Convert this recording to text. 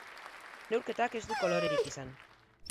Neurketak ez du kolorerik izan.